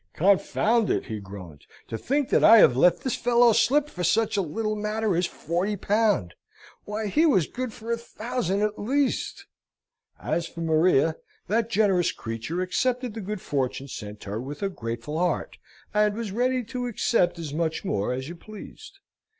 "Confound it," he groaned, "to think that I have let this fellow slip for such a little matter as forty pound! Why, he was good for a thousand at least." As for Maria, that generous creature accepted the good fortune sent her with a grateful heart; and was ready to accept as much more as you pleased.